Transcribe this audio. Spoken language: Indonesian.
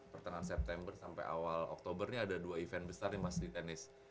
pertengahan september sampai awal oktober ini ada dua event besar nih mas di tenis